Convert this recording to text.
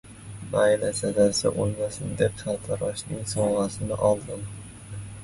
Mayli, sazasi o‘lmasin deb sartaroshning sovg‘asini oldim.